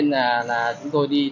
thế nên là chúng tôi đi